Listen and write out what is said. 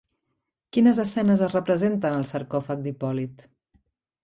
Quines escenes es representen al sarcòfag d'Hipòlit?